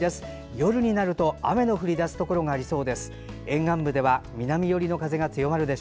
夜になると雨の降りだすところがありそうです。